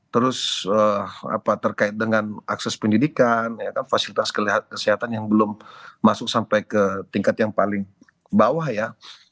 terus terkait dengan akses pendidikan fasilitas kesehatan yang belum masuk sampai ke tingkat yang paling bawah ya